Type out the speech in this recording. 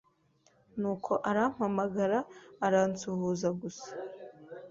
nuko arampamagara aransuhuza gusa